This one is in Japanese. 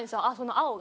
青が。